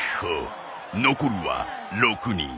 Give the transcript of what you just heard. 残るは６人。